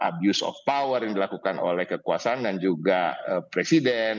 dan abuse of power yang dilakukan oleh kekuasaan dan juga presiden